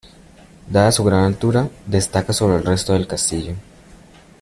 Dada su gran altura, destaca sobre el resto del castillo.